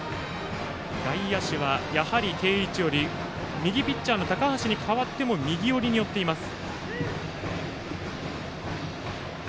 外野手はやはり定位置より右ピッチャーの高橋に代わっても右寄りにとっています。